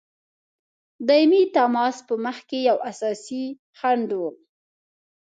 دایمي تماس په مخکي یو اساسي خنډ وو.